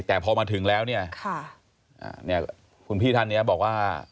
แต่พอมาถึงแล้วเนี่ยคุณพี่ท่านเนี่ยบอกว่า